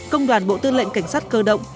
công đoàn bộ tư lệnh cảnh sát cơ động